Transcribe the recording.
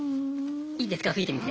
いいですか吹いてみて。